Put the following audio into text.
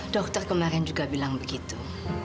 dokter kemarin juga bilang begitu